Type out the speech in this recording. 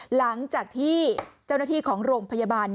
หลังจากที่เจ้าหน้าที่ของโรงพยาบาล